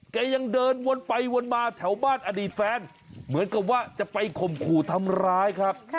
ยังเดินวนไปวนมาแถวบ้านอดีตแฟนเหมือนกับว่าจะไปข่มขู่ทำร้ายครับ